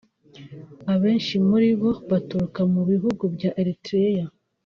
abenshi muri bo baturuka mu bihugu bya Eritrea